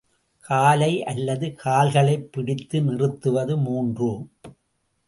காலை அல்லது கால்களைப் பிடித்து நிறுத்துவது, மூன்று.